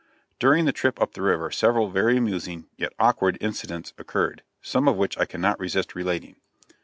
During the trip up the river several very amusing, yet awkward incidents occurred, some of which I cannot resist relating.